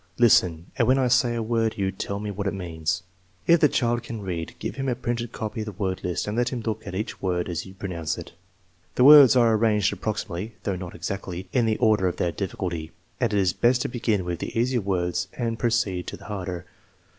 Listen; and when I say a word you tell me what it means." If the child can read, give him a printed copy of the word list and let him look at each word as you pronounce it. TEST NO. Vin, 6 225 The words are arranged approximately (though not exactly) in the order of their difficulty, and it is best to begin with the easier words and proceed to the harder.